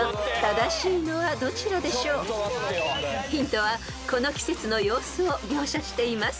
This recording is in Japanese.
［ヒントはこの季節の様子を描写しています］